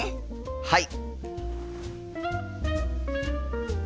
はい！